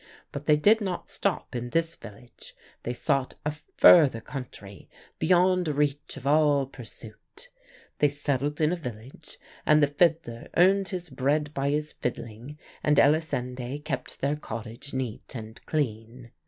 But they did not stop in this village; they sought a further country, beyond reach of all pursuit. They settled in a village, and the fiddler earned his bread by his fiddling, and Elisinde kept their cottage neat and clean.